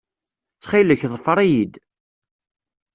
Ttxil-k, ḍfer-iyi-d.